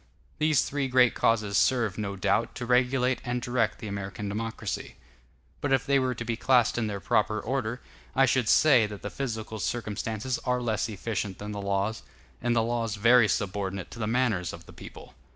These three great causes serve, no doubt, to regulate and direct the American democracy; but if they were to be classed in their proper order, I should say that the physical circumstances are less efficient than the laws, and the laws very subordinate to the manners of the people.